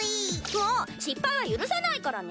もう失敗は許さないからね。